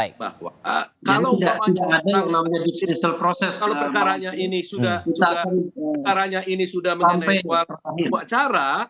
kalau perkaranya ini sudah mengenai soal wawancara